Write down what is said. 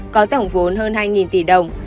có tổng vốn hơn hai tỷ đồng